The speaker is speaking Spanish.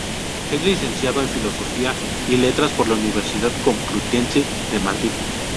Es licenciado en Filosofía y Letras por la Universidad Complutense de Madrid.